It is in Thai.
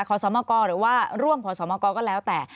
ขอสอมอลกอร์หรือว่าร่วมขอสอมอลกอร์ก็แล้วแต่